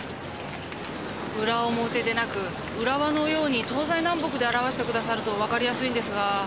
裏表でなく浦和のように東西南北で表して下さると分かりやすいんですが。